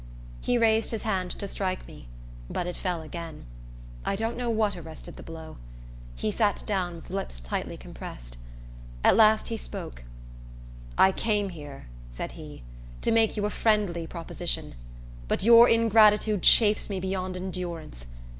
He raised his hand to strike me; but it fell again. I don't know what arrested the blow. He sat down, with lips tightly compressed. At last he spoke. "I came here," said he, "to make you a friendly proposition; but your ingratitude chafes me beyond endurance.